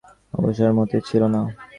তবে জয়ার কথা বেশি ভাবিবার অবসর মতির ছিল না।